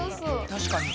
確かに。